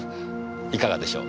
いかがでしょう？